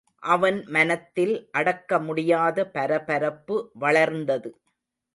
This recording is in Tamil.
அவன் மனத்தில் அடக்க முடியாத பரபரப்பு வளர்ந்தது.